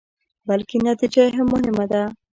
بلکې نتيجه يې هم مهمه ده.